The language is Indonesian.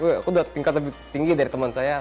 aku udah tingkat lebih tinggi dari teman saya